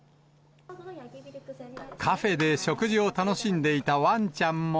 カフェで食事を楽しんでいたワンちゃんも。